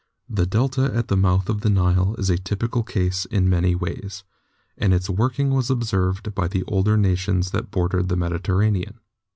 The delta at the mouth of the Nile is a typical case in many ways, and its work ing was observed by the older nations that bordered the Mediterranean.